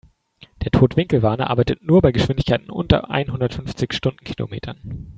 Der Totwinkelwarner arbeitet nur bei Geschwindigkeiten unter einhundertfünfzig Stundenkilometern.